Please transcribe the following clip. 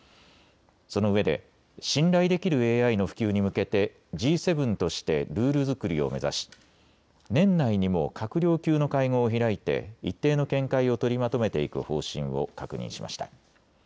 そのうえで信頼できるＡＩの普及に向けてＧ７としてルール作りを目指し年内にも閣僚級の会合を開いて一定の見解を取りまとめていく方針を確認しました。